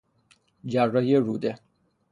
جراحی روده